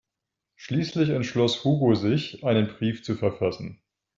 Schließlich entschloss Hugo sich, einen Brief zu verfassen.